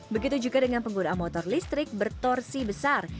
begitu juga dengan pengguna motor listrik bertorsi besar